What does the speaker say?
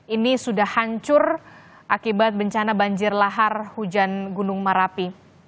ini sudah hancur akibat bencana banjir lahar hujan gunung merapi